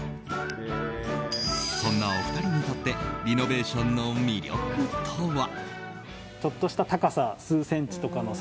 そんなお二人にとってリノベーションの魅力とは。